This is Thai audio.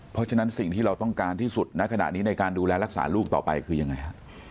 เพราะฉะนั้นสิ่งที่เราต้องการที่สุดณขณะนี้ในการดูแลรักษาลูกต่อไปคือยังไงฮะ